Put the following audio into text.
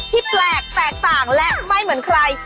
ที่แปลกแตกต่างและไม่เหมือนใคร